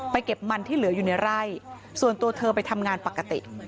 เก็บมันที่เหลืออยู่ในไร่ส่วนตัวเธอไปทำงานปกติ